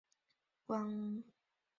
光绪十一年进士。